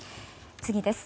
次です。